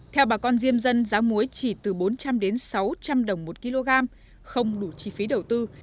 theo bà con diêm dân giá muối chỉ từ bốn trăm linh sáu trăm linh đồng một kg không đủ chi phí đầu tư